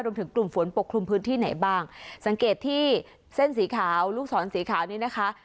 รวมถึงกลุ่มฝนปกคลุมพื้นที่ไหนบ้างสังเกตที่เส้นสีขาวลูกศรสีขาวนี้นะคะ